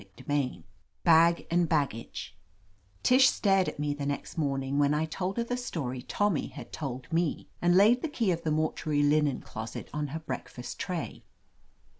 CHAPTER XIV BAG AND BAGGAGE TISH Stared at me the next morning when I told her the story Tommy had told me, and laid the key of the mortuaiy linen closet on her breakfast tray.